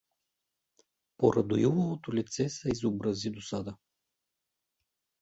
По Радоиловото лице се изобрази досада.